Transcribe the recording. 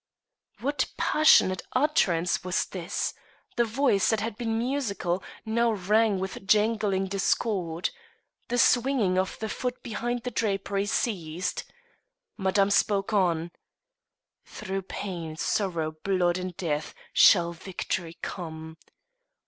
What passionate utterance was this? The voice that had been musical now rang with jangling discord. The swinging of the foot behind the drapery ceased. Madame spoke on: "Through pain, sorrow, blood and death shall victory come.